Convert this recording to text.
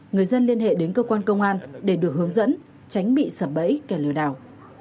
người dân liên hệ đến cơ quan công an để được hướng dẫn tránh bị sập bẫy kẻ lừa đảo